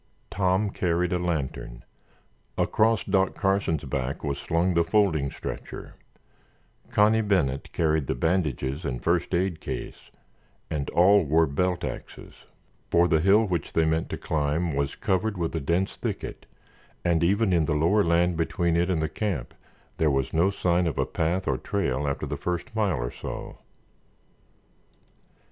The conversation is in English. Tom carried a lantern; across Doc Carson's back was slung the folding stretcher; Connie Bennet carried the bandages and first aid case, and all wore belt axes, for the hill which they meant to climb was covered with a dense thicket and even in the lower land between it and the camp there was no sign of path or trail after the first mile or so.